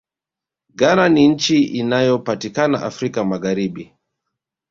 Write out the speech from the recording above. ghana ni nchi inayopatikana afrika magharibi